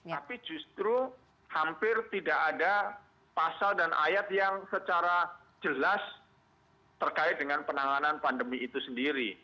tapi justru hampir tidak ada pasal dan ayat yang secara jelas terkait dengan penanganan pandemi itu sendiri